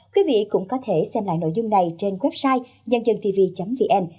quý vị cũng có thể xem lại nội dung này trên website nhân dân tv vn